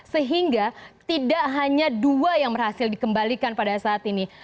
sehingga tidak hanya dua yang berhasil dikembalikan pada saat ini